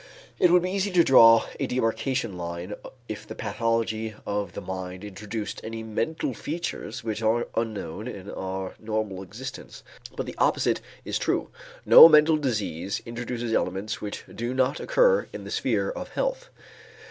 It would be easy to draw a demarcation line if the pathology of the mind introduced any mental features which are unknown in our normal existence, but the opposite is true. No mental disease introduces elements which do not occur in the sphere of health.